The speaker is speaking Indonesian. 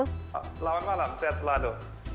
selamat malam sehat selalu